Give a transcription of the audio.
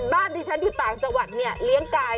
บ้านที่ฉันอยู่ต่างจังหวัดเนี่ยเลี้ยงกาย